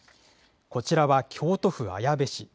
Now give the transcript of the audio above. こちらは京都府綾部市。